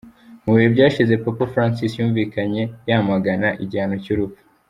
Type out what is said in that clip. Mu bihe byashize, Papa Francis yumvikanye yamagana igihano cy'urupfu.